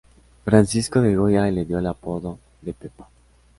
Francisco de Goya le dio el apodo de "Pepa".